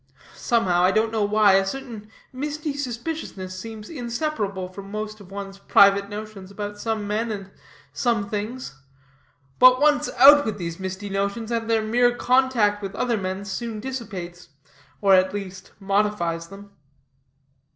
Somehow, I don't know why, a certain misty suspiciousness seems inseparable from most of one's private notions about some men and some things; but once out with these misty notions, and their mere contact with other men's soon dissipates, or, at least, modifies them."